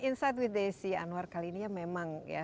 insight with desi anwar kali ini memang